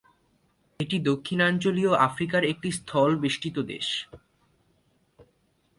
এটি দক্ষিণাঞ্চলীয় আফ্রিকার একটি স্থলবেষ্টিত দেশ।